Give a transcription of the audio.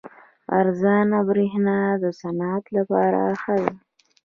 ارزانه بریښنا د صنعت لپاره ښه ده.